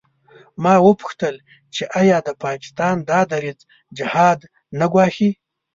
ما وپوښتل چې آیا د پاکستان دا دریځ جهاد نه ګواښي.